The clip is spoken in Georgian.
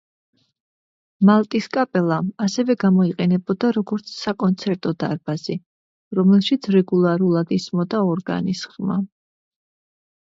მალტის კაპელა ასევე გამოიყენებოდა როგორც საკონცერტო დარბაზი, რომელშიც რეგულარულად ისმოდა ორგანის ხმა.